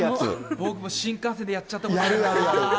僕も新幹線でやっちゃったことある。